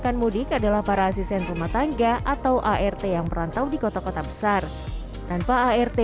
yang mudik adalah para asisten rumah tangga atau art yang merantau di kota kota besar tanpa art